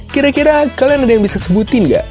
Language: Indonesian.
kira kira kalian ada yang bisa sebutin gak